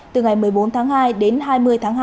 từ ngày một mươi bốn tháng hai đến hai mươi tháng hai